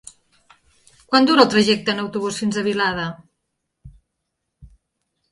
Quant dura el trajecte en autobús fins a Vilada?